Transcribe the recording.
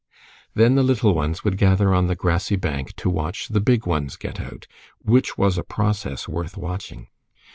Then the little ones would gather on the grassy bank to watch the big ones get out, which was a process worth watching.